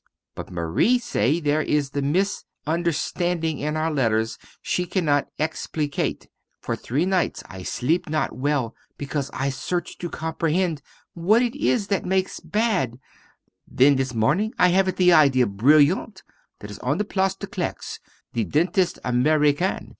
But Marie say there is the miss understand in our letters she cannot explicate. For three nights I sleep not well because I search to comprehend what is it that makes bad, then this morning I have it the idea brilliant; there is on the place des Clercs the dentist American.